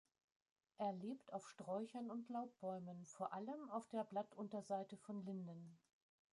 Er lebt auf Sträuchern und Laubbäumen, vor allem auf der Blattunterseite von Linden.